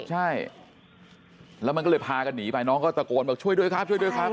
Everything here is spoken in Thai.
ใช่แล้วมันก็เลยพากันหนีไปน้องก็ตะโกนบอกช่วยด้วยครับช่วยด้วยครับ